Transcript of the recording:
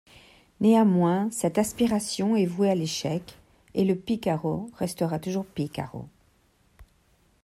Néanmoins, cette aspiration est vouée à l’échec et le pícaro restera toujours pícaro.